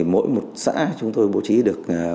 mỗi một xã chúng tôi bố trí được